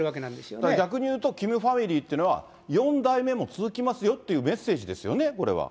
だから逆に言うとキムファミリーっていうのは、４代目も続きますよというメッセージですよね、これは。